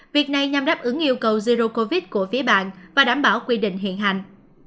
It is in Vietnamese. việc này nhằm đáp ứng yêu cầu zero covid của phía bạn và đảm bảo quy định hiện hành